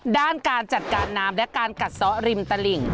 ด้านการจัดการน้ำและการกัดซ้อริมตลิ่ง